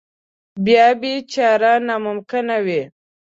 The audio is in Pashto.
بیا به یې چاره ناممکنه وي.